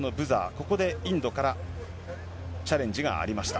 ここでインドからチャレンジがありました。